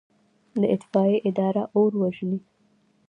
د اطفائیې اداره اور وژني